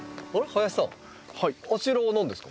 林さんあちらは何ですか？